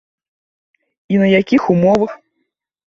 І на якіх умовах?